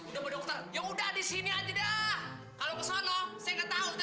bapakku dia bilang aku memang cantik